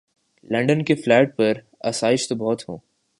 London کے flat پر آسائش تو بہت ہوں۔